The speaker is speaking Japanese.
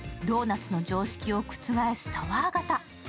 ドーナツの常識を覆すタワー型。